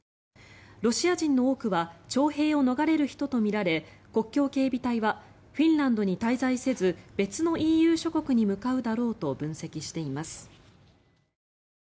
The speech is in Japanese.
ロシア人の多くは徴兵を逃れる人とみられ国境警備隊はフィンランドに滞在せず別のＥＵ諸国に向かうだろうと分析しています。